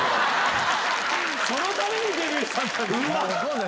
そのためにデビューしたんじゃない？